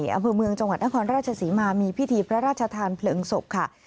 อำเภอเมืองจังหวัดนครราชศรีมามีพิธีพระราชทานเพลิงศพค่ะ